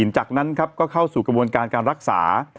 จากนั้นครับก็เข้าสู่กระบวนการการรักษา